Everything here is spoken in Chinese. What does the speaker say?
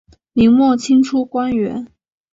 明末清初官员。